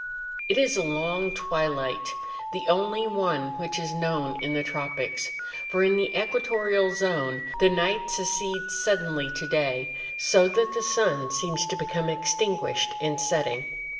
It is a long twilight, the only one which is known in the tropics; for in the equatorial zone the night succeeds suddenly to day, so that the sun seems to become extinguished in setting.